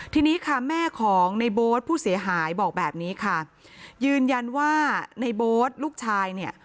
ทีนี้ค่ะแม่ของในโบ๊ทผู้เสียหายบอกแบบนี้ค่ะยืนยันว่าในโบ๊ทลูกชายเนี่ย